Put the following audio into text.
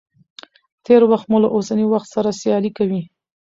تېر وخت مو له اوسني وخت سره سيالي کوي.